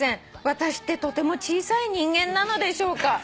「私ってとても小さい人間なのでしょうか」